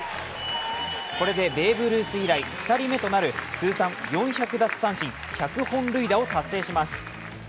これでベーブ・ルース以来２人目となる通算４００奪三振、１００本塁打を達成します。